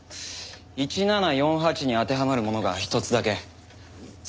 「１７４８」に当てはまるものが一つだけ。